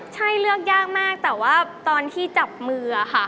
ใช่เลือกยากมากแต่ว่าตอนที่จับมือค่ะ